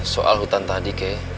soal hutan tadi